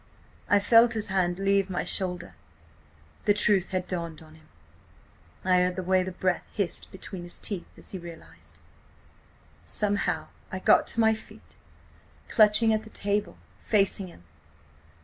... I felt his hand leave my shoulder. ... The truth had dawned on him. I heard the way the breath hissed between his teeth as he realised. ... Somehow I got to my feet, clutching at the table, facing him.